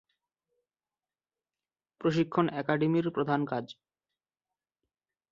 প্রশিক্ষণ একাডেমির প্রধান কাজ।